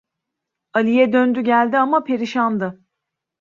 Aliye döndü geldi ama, perişandı.